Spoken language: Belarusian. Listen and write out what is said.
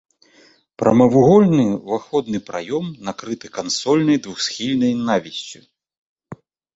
Прамавугольны ўваходны праём накрыты кансольнай двухсхільнай навіссю.